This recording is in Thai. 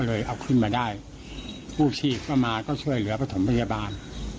ลูกชีพมาก็ช่วยเหลือไปบรรยบาล